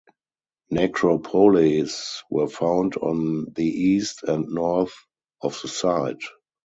Necropoleis were found on the east and north of the site.